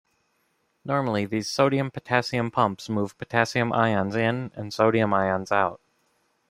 Normally, these sodium-potassium pumps move potassium ions in and sodium ions out.